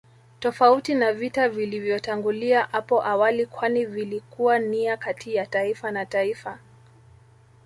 Tofauti na vita vilivyotangulia apo awali kwani vilikuwa nia kati ya taifa na taifa